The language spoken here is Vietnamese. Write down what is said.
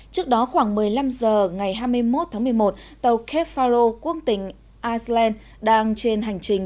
trước đó khoảng một mươi năm h ngày hai mươi một tháng một mươi một tàu kefaro quốc tỉnh iceland đang trên hành trình